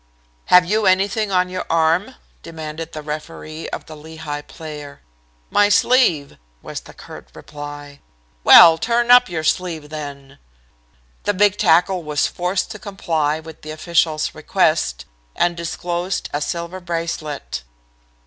"'Have you anything on your arm?' demanded the referee of the Lehigh player. "'My sleeve,' was the curt reply. "'Well, turn up your sleeve then.' "The big tackle was forced to comply with the official's request, and disclosed a silver bracelet.